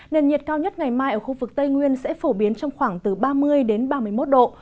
nền nhiệt cao nhất ngày mai ở khu vực tây nguyên sẽ phổ biến trong khoảng từ ba mươi đến ba mươi một độ